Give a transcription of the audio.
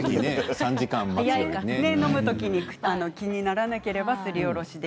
飲む時に気にならなければすりおろしで。